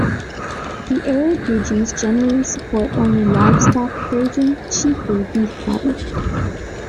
The arid regions generally support only livestock grazing, chiefly beef cattle.